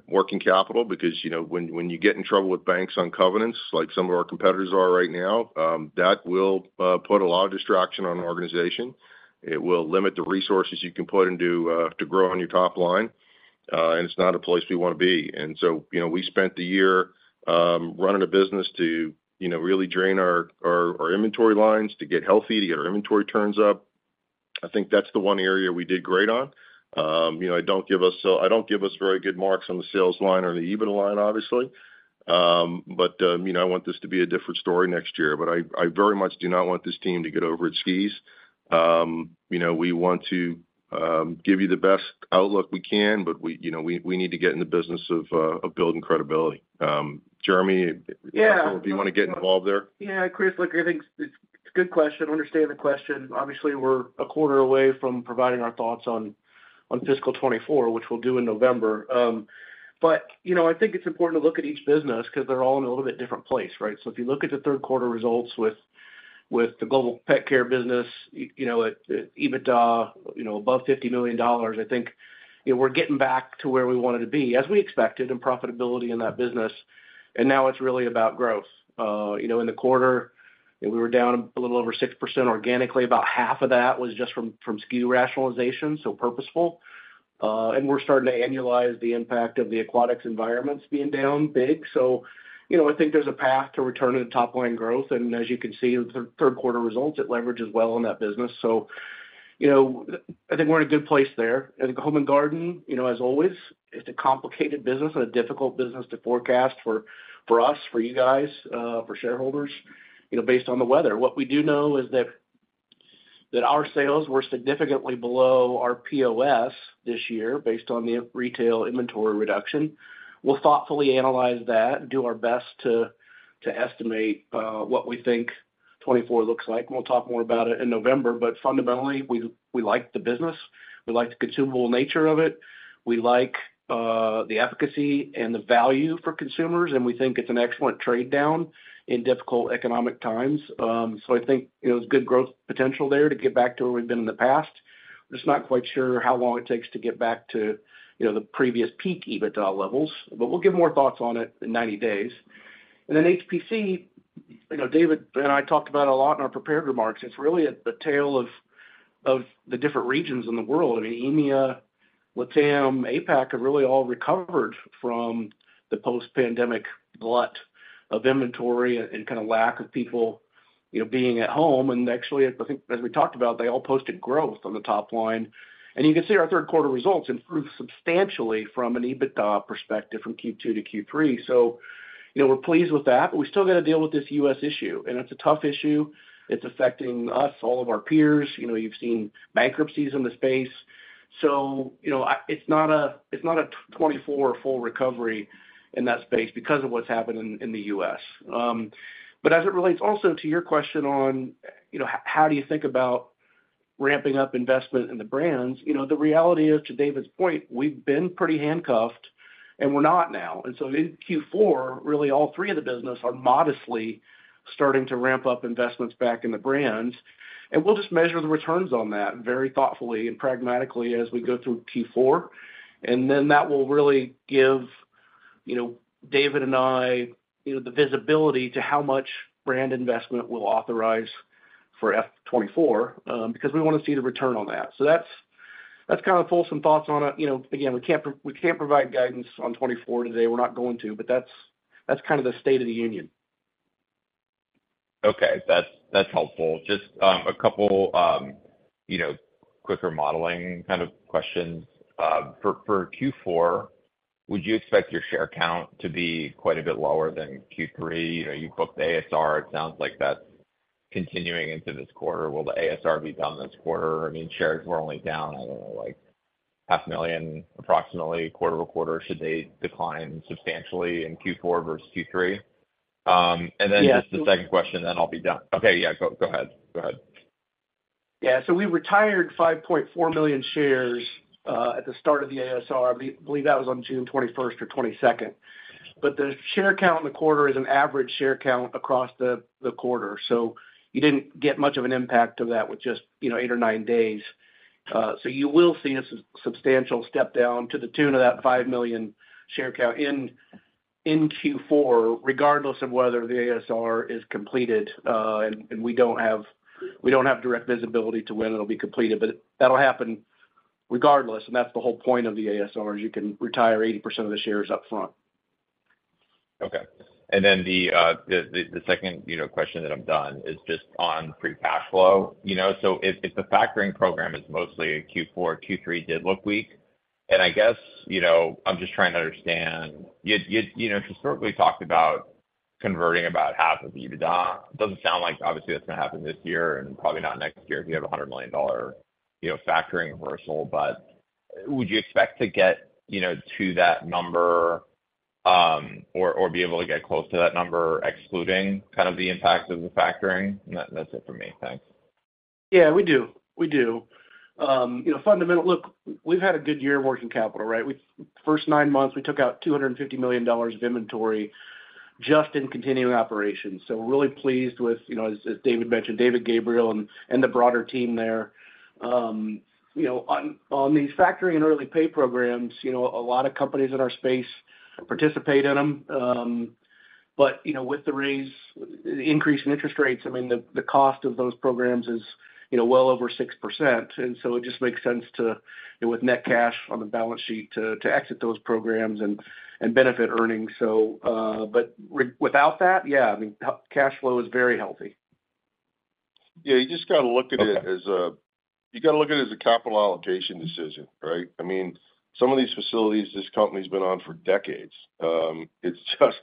working capital because, you know, when, when you get in trouble with banks on covenants, like some of our competitors are right now, that will put a lot of distraction on an organization. It will limit the resources you can put into to grow on your top line, and it's not a place we want to be. You know, we spent the year running a business to, you know, really drain our, our, our inventory lines to get healthy, to get our inventory turns up. I think that's the one area we did great on. You know, I don't give us, I don't give us very good marks on the sales line or the EBITDA line, obviously. You know, I want this to be a different story next year, but I, I very much do not want this team to get over its skis. You know, we want to give you the best outlook we can, but we, you know, we, we need to get in the business of building credibility. Jeremy- Yeah. Do you want to get involved there? Chris, look, I think it's a good question. I understand the question. Obviously, we're a quarter away from providing our thoughts on, on fiscal 2024, which we'll do in November. You know, I think it's important to look at each business because they're all in a little bit different place, right? If you look at the third quarter results with, with the Global Pet Care business, you know, at, at EBITDA, you know, above $50 million, I think, you know, we're getting back to where we wanted to be, as we expected, in profitability in that business, and now it's really about growth. You know, in the quarter, we were down a little over 6% organically. About half of that was just from, from SKU rationalization, so purposeful. We're starting to annualize the impact of the aquatics environments being down big. You know, I think there's a path to return to the top line growth, and as you can see, the third quarter results, it leverages well on that business. You know, I think we're in a good place there. I think Home and Garden, you know, as always, it's a complicated business and a difficult business to forecast for us, for you guys, for shareholders, you know, based on the weather. What we do know is that our sales were significantly below our POS this year, based on the retail inventory reduction. We'll thoughtfully analyze that and do our best to estimate what we think 2024 looks like. We'll talk more about it in November, but fundamentally, we, we like the business, we like the consumable nature of it, we like the efficacy and the value for consumers, and we think it's an excellent trade-down in difficult economic times. I think, you know, there's good growth potential there to get back to where we've been in the past. We're just not quite sure how long it takes to get back to, you know, the previous peak EBITDA levels, but we'll give more thoughts on it in 90 days. HPC, you know, David and I talked about a lot in our prepared remarks. It's really at the tale of, of the different regions in the world. I mean, EMEA, LATAM, APAC, have really all recovered from the post-pandemic glut of inventory and, and kind of lack of people, you know, being at home. Actually, I think as we talked about, they all posted growth on the top line. You can see our third quarter results improved substantially from an EBITDA perspective, from Q2 to Q3. You know, we're pleased with that, but we still got to deal with this U.S. issue, and it's a tough issue. It's affecting us, all of our peers. You know, you've seen bankruptcies in the space. You know, it's not a, it's not a 2024 full recovery in that space because of what's happened in the U.S. As it relates also to your question on, you know, how do you think about ramping up investment in the brands? You know, the reality is, to David's point, we've been pretty handcuffed and we're not now. In Q4, really all three of the business are modestly starting to ramp up investments back in the brands, and we'll just measure the returns on that very thoughtfully and pragmatically as we go through Q4. That will really give, you know, David and I, you know, the visibility to how much brand investment we'll authorize for F-2024 because we want to see the return on that. That's, that's kind of full some thoughts on it. You know, again, we can't, we can't provide guidance on 2024 today. We're not going to, that's, that's kind of the state of the union. Okay. That's, that's helpful. Just a couple, you know, quicker modeling kind of questions. For Q4, would you expect your share count to be quite a bit lower than Q3? You know, you booked the ASR. It sounds like that's continuing into this quarter. Will the ASR be done this quarter? I mean, shares were only down, I don't know, like 500,000 approximately quarter-over-quarter. Should they decline substantially in Q4 versus Q3? Yeah. Just the second question, then I'll be done. Okay. Yeah, go, go ahead. Go ahead. Yeah, we retired 5.4 million shares at the start of the ASR. I believe that was on June 21st or 22nd. The share count in the quarter is an average share count across the, the quarter, so you didn't get much of an impact of that with just, you know, eight or nine days. You will see a substantial step down to the tune of that five million share count in, in Q4, regardless of whether the ASR is completed, and, and we don't have, we don't have direct visibility to when it'll be completed. That'll happen regardless, and that's the whole point of the ASR, is you can retire 80% of the shares up front. Okay. Then the second, you know, question, then I'm done, is just on free cash flow. You know, if, if the factoring program is mostly a Q4, Q3 did look weak, and I guess, you know, I'm just trying to understand, you know, historically talked about converting about half of the EBITDA. It doesn't sound like obviously that's gonna happen this year and probably not next year if you have a $100 million, you know, factoring reversal. Would you expect to get, you know, to that number, or be able to get close to that number, excluding kind of the impact of the factoring? That- that's it for me. Thanks. Yeah, we do. We do. You know, we've had a good year of working capital, right? First nine months, we took out $250 million of inventory just in continuing operations. We're really pleased with, you know, as David mentioned, David Gabriel and the broader team there. You know, on these factoring and early pay programs, you know, a lot of companies in our space participate in them. You know, with the raise, increase in interest rates, I mean, the cost of those programs is, you know, well over 6%. It just makes sense to, with net cash on the balance sheet, to exit those programs and benefit earnings. Without that, yeah, I mean, cash flow is very healthy. Yeah, you just got to look at it- Okay as a, you got to look at it as a capital allocation decision, right? I mean, some of these facilities, this company's been on for decades. It's just,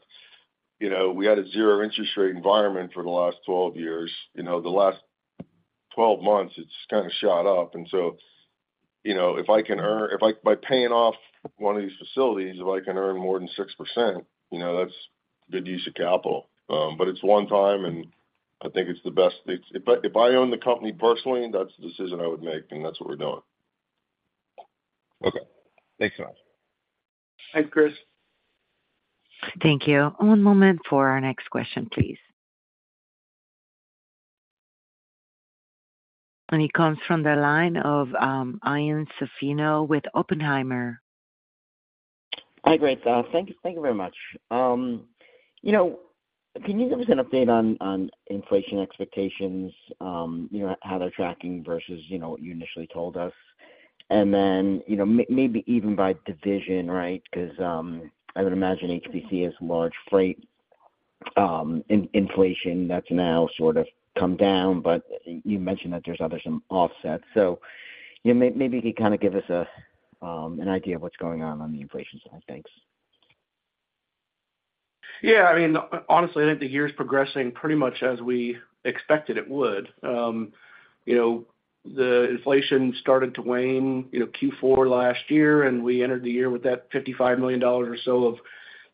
you know, we had a zero interest rate environment for the last 12 years. You know, the last 12 months, it's kind of shot up. So, you know, if I, by paying off one of these facilities, if I can earn more than 6%, you know, that's good use of capital. It's one time, and I think it's the best. If I, if I own the company personally, that's the decision I would make, and that's what we're doing. Okay. Thanks a lot. Thanks, Chris. Thank you. One moment for our next question, please. It comes from the line of Ian Zaffino with Oppenheimer. Hi, great. Thank you, thank you very much. You know, can you give us an update on, on inflation expectations, you know, how they're tracking versus, you know, what you initially told us? You know, may- maybe even by division, right? Because, I would imagine HPC has large freight, in- inflation that's now sort of come down, but you mentioned that there's other some offsets. Yeah, may- maybe you could kind of give us a, an idea of what's going on on the inflation side. Thanks. Yeah, I mean, honestly, I think the year is progressing pretty much as we expected it would. You know, the inflation started to wane, you know, Q4 last year, and we entered the year with that $55 million or so of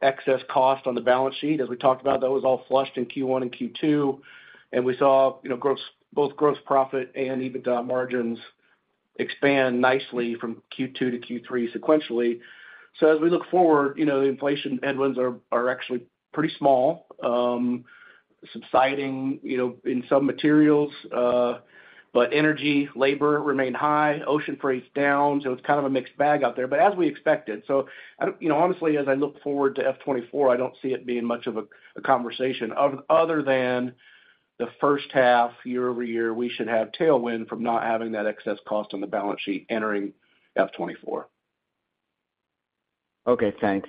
excess cost on the balance sheet. As we talked about, that was all flushed in Q1 and Q2, and we saw, you know, gross-- both gross profit and EBITDA margins expand nicely from Q2 to Q3 sequentially. So as we look forward, you know, the inflation headwinds are, are actually pretty small, subsiding, you know, in some materials, but energy, labor remain high, ocean freight's down, so it's kind of a mixed bag out there, but as we expected. So I don't-- you know, honestly, as I look forward to F 2024, I don't see it being much of a, a conversation. Other, other than the first half year-over-year, we should have tailwind from not having that excess cost on the balance sheet entering F 2024. Okay, thanks.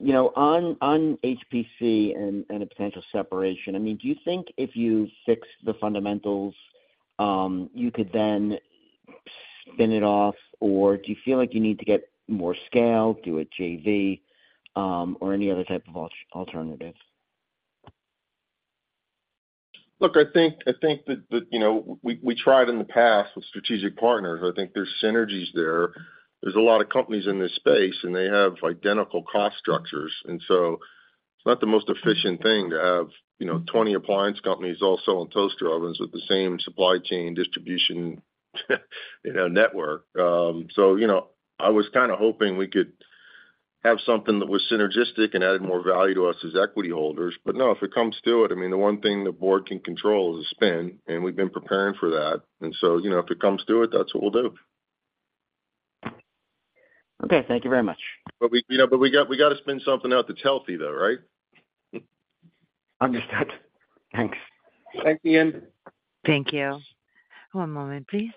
You know, on, on HPC and, and a potential separation, I mean, do you think if you fix the fundamentals, you could then spin it off? Or do you feel like you need to get more scale, do a JV, or any other type of alternative? Look, I think that, you know, we tried in the past with strategic partners. I think there's synergies there. There's a lot of companies in this space, and they have identical cost structures, and so it's not the most efficient thing to have, you know, 20 appliance companies all selling toaster ovens with the same supply chain distribution, you know, network. You know, I was kind of hoping we could have something that was synergistic and added more value to us as equity holders. No, if it comes to it, I mean, the one thing the board can control is a spin, and we've been preparing for that. You know, if it comes to it, that's what we'll do. Okay, thank you very much. we, you know, but we got to spin something out that's healthy, though, right? Understood. Thanks. Thank you. Thank you. One moment, please.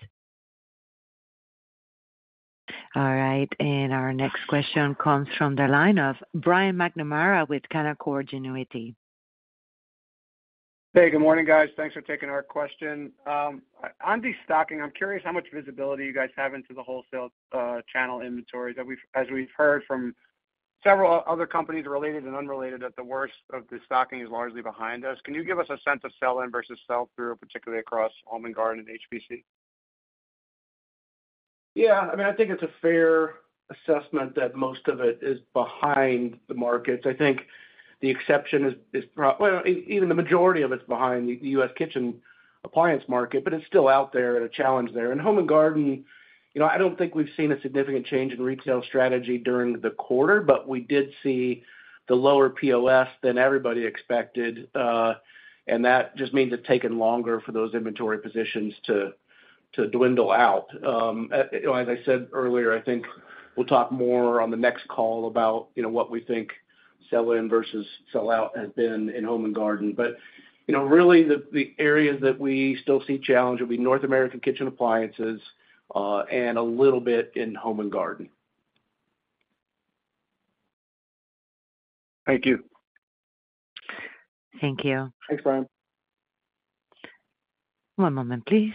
All right, our next question comes from the line of Brian McNamara with Canaccord Genuity. Hey, good morning, guys. Thanks for taking our question. On destocking, I'm curious how much visibility you guys have into the wholesale channel inventory that as we've heard from several other companies, related and unrelated, that the worst of the stocking is largely behind us. Can you give us a sense of sell-in versus sell-through, particularly across Home and Garden and HPC? Yeah, I mean, I think it's a fair assessment that most of it is behind the markets. I think the exception is, well, even the majority of it's behind the US kitchen appliance market, but it's still out there and a challenge there. In Home and Garden, you know, I don't think we've seen a significant change in retail strategy during the quarter, but we did see the lower POS than everybody expected, and that just means it's taken longer for those inventory positions to, to dwindle out. You know, as I said earlier, I think we'll talk more on the next call about, you know, what we think sell-in versus sell out has been in Home and Garden. you know, really, the, the areas that we still see challenge will be North American Kitchen Appliances, and a little bit in Home and Garden. Thank you. Thank you. Thanks, Brian. One moment, please.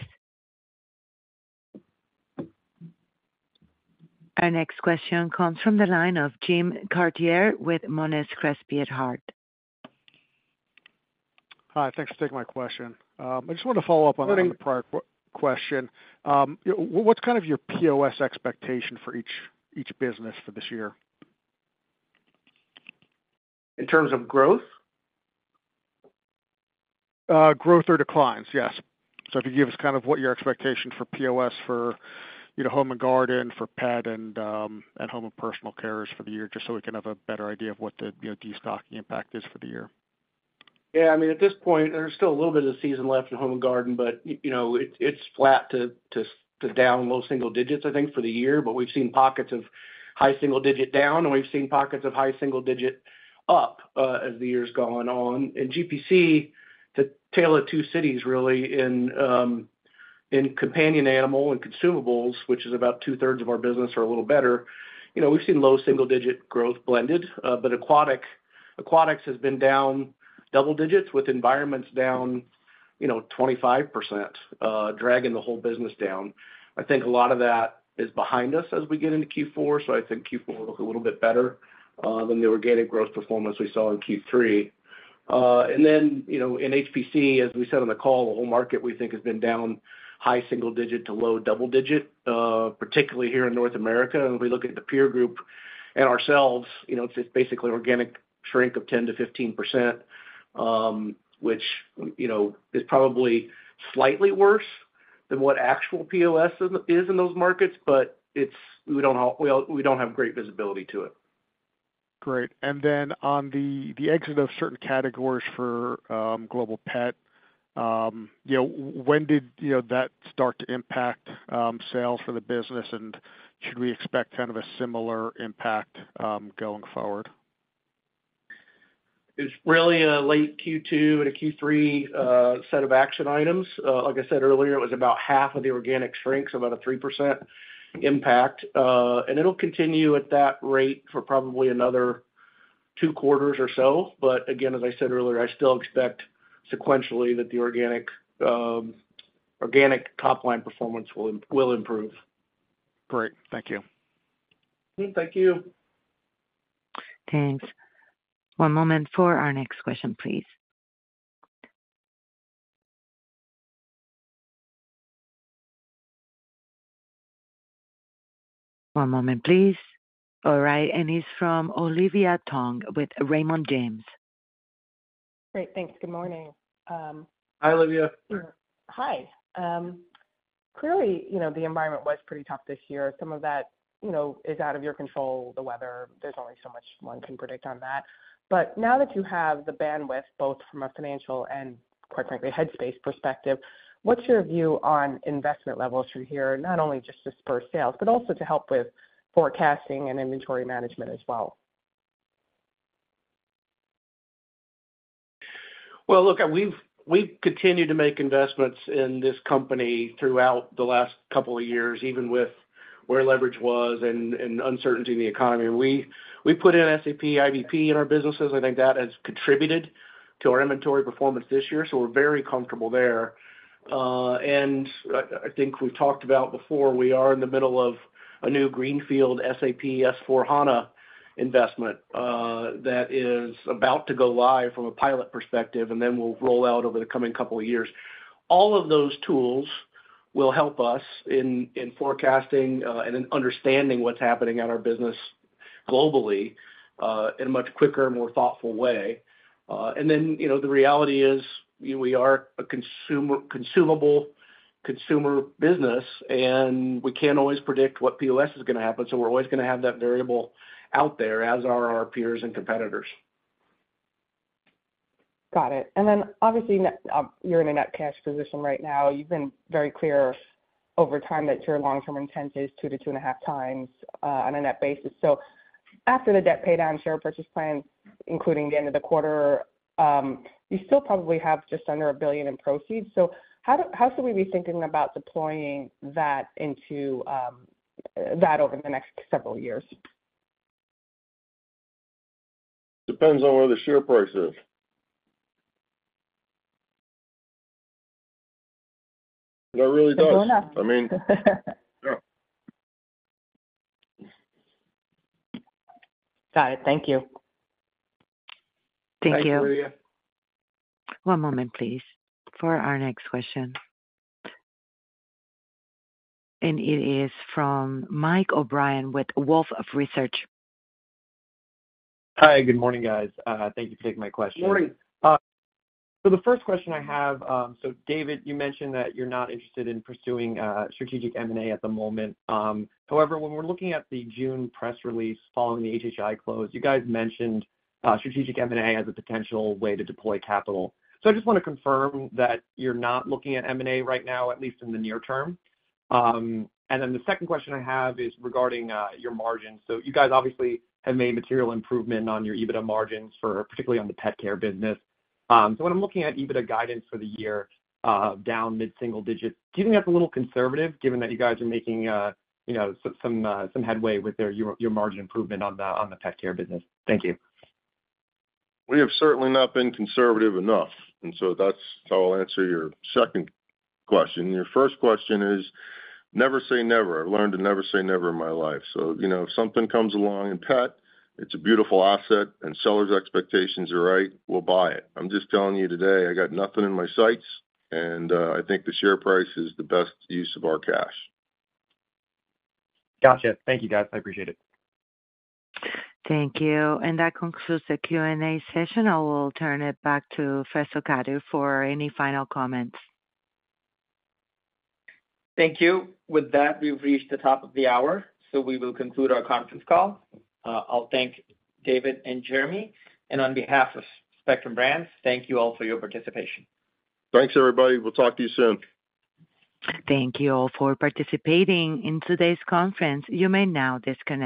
Our next question comes from the line of Jim Chartier with Monness, Crespi & Hardt. Hi, thanks for taking my question. I just wanted to follow up on the prior question. What's kind of your POS expectation for each, each business for this year? In terms of growth? Growth or declines, yes. If you give us kind of what your expectation for POS for, you know, Home and Garden, for Pet, and Home and Personal Care for the year, just so we can have a better idea of what the, you know, destocking impact is for the year. Yeah, I mean, at this point, there's still a little bit of season left in Home and Garden, but, you know, it's flat to down low single digits, I think, for the year. We've seen pockets of high single digit down, and we've seen pockets of high single digit up, as the year's gone on. In GPC, the tale of two cities, really, in, in companion animal and consumables, which is about 2/3 of our business or a little better. You know, we've seen low single digit growth blended, but aquatics has been down double digits, with environments down, you know, 25%, dragging the whole business down. I think a lot of that is behind us as we get into Q4, I think Q4 will look a little bit better than the organic growth performance we saw in Q3. Then, you know, in HPC, as we said on the call, the whole market we think has been down high single-digit to low double-digit, particularly here in North America. We look at the peer group and ourselves, you know, it's just basically organic shrink of 10%-15%, which, you know, is probably slightly worse than what actual POS is, is in those markets, but we don't have great visibility to it. Great. Then on the, the exit of certain categories for, Global Pet, you know, when did, you know, that start to impact, sales for the business? Should we expect kind of a similar impact, going forward? It's really a late Q2 and a Q3 set of action items. Like I said earlier, it was about half of the organic shrinks, about a 3% impact. It'll continue at that rate for probably another two quarters or so. Again, as I said earlier, I still expect sequentially that the organic, organic top-line performance will, will improve. Great, thank you. Thank you. Thanks. One moment for our next question, please. One moment, please. All right, it's from Olivia Tong with Raymond James. Great, thanks. Good morning. Hi, Olivia. Hi. Clearly, you know, the environment was pretty tough this year. Some of that, you know, is out of your control, the weather, there's only so much one can predict on that. Now that you have the bandwidth, both from a financial and, quite frankly, headspace perspective, what's your view on investment levels from here, not only just to spur sales, but also to help with forecasting and inventory management as well? Well, look, we've continued to make investments in this company throughout the last couple of years, even with where leverage was and, and uncertainty in the economy. We put in SAP IBP in our businesses. I think that has contributed to our inventory performance this year, so we're very comfortable there. I think we talked about before, we are in the middle of a new greenfield SAP S/4HANA investment that is about to go live from a pilot perspective, and then we'll roll out over the coming couple of years. All of those tools will help us in forecasting and in understanding what's happening at our business globally in a much quicker and more thoughtful way. you know, the reality is, we are a consumable consumer business, and we can't always predict what POS is gonna happen, so we're always gonna have that variable out there, as are our peers and competitors. Got it. Obviously, you're in a net cash position right now. You've been very clear over time that your long-term intent is 2-2.5 times on a net basis. After the debt paydown, share purchase plan, including the end of the quarter, you still probably have just under $1 billion in proceeds. How should we be thinking about deploying that into that over the next several years? Depends on where the share price is. It really does. Fair enough. I mean, yeah. Got it. Thank you. Thank you. Thanks, Olivia. One moment, please, for our next question. It is from Mike O'Brien with Wolfe Research. Hi, good morning, guys. Thank you for taking my question. Good morning. The first question I have, so David, you mentioned that you're not interested in pursuing strategic M&A at the moment. However, when we're looking at the June press release following the HHI close, you guys mentioned strategic M&A as a potential way to deploy capital. I just want to confirm that you're not looking at M&A right now, at least in the near term. The second question I have is regarding your margins. You guys obviously have made material improvement on your EBITDA margins for, particularly on the pet care business. When I'm looking at EBITDA guidance for the year, down mid-single digits, do you think that's a little conservative, given that you guys are making, you know, some, some, some headway with your, your margin improvement on the, on the pet care business? Thank you. We have certainly not been conservative enough. That's how I'll answer your second question. Your first question is, never say never. I learned to never say never in my life. You know, if something comes along in pet, it's a beautiful asset, and sellers' expectations are right, we'll buy it. I'm just telling you today, I got nothing in my sights, and I think the share price is the best use of our cash. Gotcha. Thank you, guys. I appreciate it. Thank you. And that concludes the Q&A session. I will turn it back to Faisal Qadir for any final comments. Thank you. With that, we've reached the top of the hour. We will conclude our conference call. I'll thank David and Jeremy. On behalf of Spectrum Brands, thank you all for your participation. Thanks, everybody. We'll talk to you soon. Thank you all for participating in today's conference. You may now disconnect.